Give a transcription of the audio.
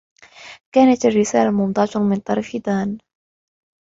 كانت الرّسالة مُمضاة من طرف دان.